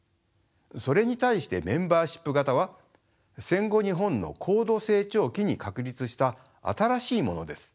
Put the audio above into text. それに対してメンバーシップ型は戦後日本の高度成長期に確立した新しいものです。